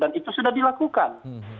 dan itu sudah dilakukan